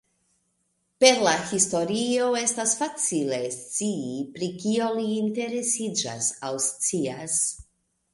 Per la historio, estas facile scii pri kio li interesiĝas aŭ scias.